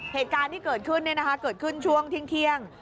เหตุการณ์ที่เกิดขึ้นเนี่ยนะคะเกิดขึ้นช่วงทิ้งเทียง